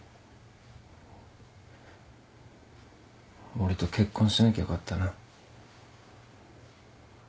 俺と結婚しなきゃよかったな。